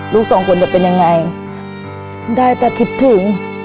ลูกสองคนจะเป็นยังไงได้แต่คิดถึง